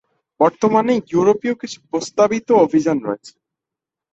বর্তমানে ইউরোপায় কিছু প্রস্তাবিত অভিযান রয়েছে।